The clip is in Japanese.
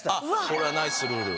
これはナイスルール。